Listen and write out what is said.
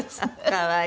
可愛い。